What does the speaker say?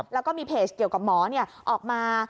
แล้วก็มีเพจเกี่ยวกับหมอออกมา